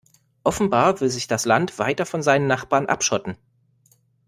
Offenbar will sich das Land weiter von seinen Nachbarn abschotten.